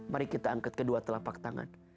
mari kita angkat kedua telapak tangan